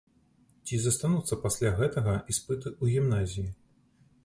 Ці застануцца пасля гэтага іспыты ў гімназіі?